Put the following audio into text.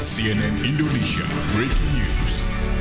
cnn indonesia breaking news